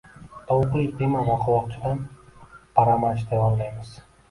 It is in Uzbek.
Tovuqli qiyma va qovoqchadan paramach tayyorlaymiz